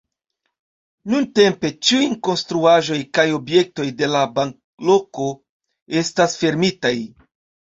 Nuntempe ĉiuj konstruaĵoj kaj objektoj de la banloko estas fermitaj.